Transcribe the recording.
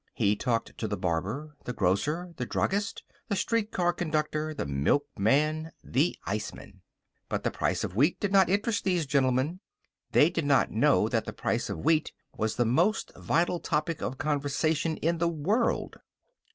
He talked to the barber, the grocer, the druggist, the streetcar conductor, the milkman, the iceman. But the price of wheat did not interest these gentlemen. They did not know that the price of wheat was the most vital topic of conversation in the world.